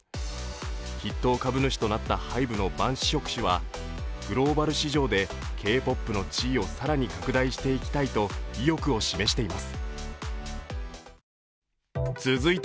筆頭株主となったＨＹＢＥのバン・シヒョク氏はグローバル市場でＫ−ＰＯＰの地位を更に拡大していきたいと意欲を示しています。